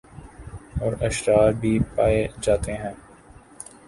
اور اشرار بھی پائے جاتے ہیں